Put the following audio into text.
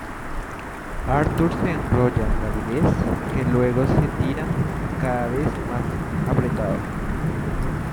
Arthur se enrolla en las vides que luego se tiran cada vez más apretado.